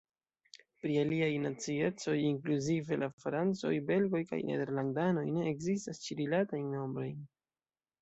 Pri aliaj naciecoj inkluzive la francoj, belgoj kaj nederlandanoj ne ekzistas ĉi-rilatajn nombrojn.